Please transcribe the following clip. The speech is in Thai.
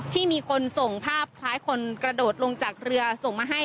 ที่มีคนส่งภาพคล้ายคนกระโดดลงจากเรือส่งมาให้